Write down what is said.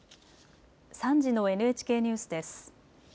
３時のＮＨＫニュースです。